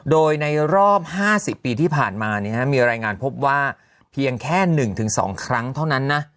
โดยในรอบ๕๐ปีที่ผ่านมามีรายงานพบว่าเพียงแค่๑๒ครั้งเท่านั้นนะ